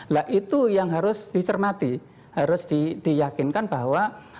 nah itu yang harus dicermati harus diyakinkan bahwa